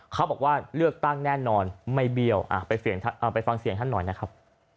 เขาบอกว่าเลือกตั้งแน่นอนไม่เบี้ยวไปฟังเสียงท่านหน่อยนะครับ